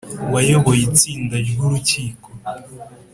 wayoboye itsinda ry Urukiko